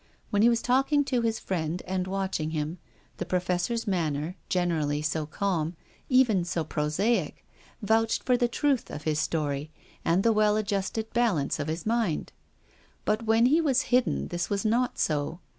When he was talking to his friend and watching him, the Professor's manner, generally so calm, even so prosaic, vouched for the truth of his story and the well adjusted balance of his mind. liut when he was hidden this was not so.